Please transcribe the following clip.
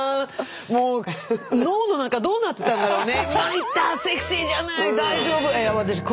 もう脳の中どうなってたんだろうね。